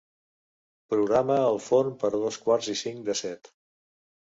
Programa el forn per a dos quarts i cinc de set.